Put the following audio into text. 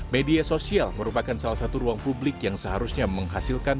media sosial merupakan salah satu ruang publik yang seharusnya menghasilkan